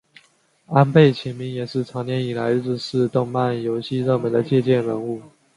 安倍晴明也是长年以来日式动漫游戏热门的借鉴人物。